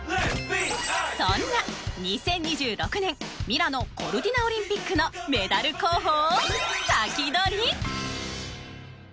そんな２０２６年ミラノ・コルティナオリンピックのメダル候補をサキドリ！